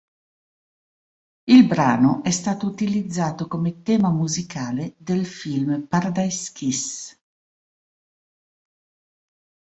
Il brano è stato utilizzato come tema musicale del film "Paradise Kiss".